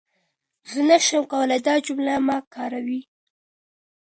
زه نشم کولای دا جمله مه کاروئ.